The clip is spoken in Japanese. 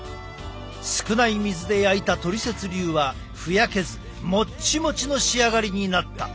少ない水で焼いたトリセツ流はふやけずもっちもちの仕上がりになった。